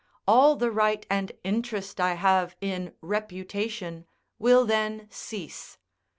all the right and interest I have in reputation will then cease.